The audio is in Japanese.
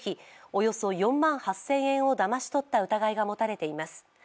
およそ４万８０００円をだまし取った疑いが持たれています。